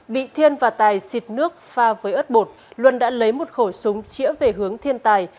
bị thiên và tài xịt nước pha với ớt bột luân đã lấy một khẩu súng chĩa về hướng thiên tài